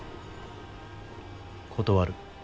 断る。